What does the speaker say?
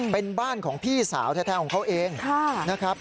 เป็นบ้านของพี่สาวแท้ของเขาเองนะครับ